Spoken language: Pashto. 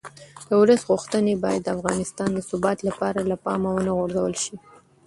د ولس غوښتنې باید د افغانستان د ثبات لپاره له پامه ونه غورځول شي